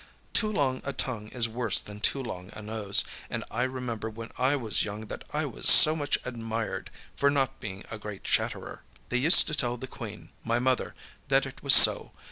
Too long a tongue is worse than too long a nose, and I remember when I was young that I was so much admired for not being a great chatterer. They used to tell the Queen, my mother, that it was so.